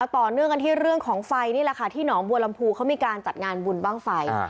ต่อเนื่องกันที่เรื่องของไฟนี่แหละค่ะที่หนองบัวลำพูเขามีการจัดงานบุญบ้างไฟ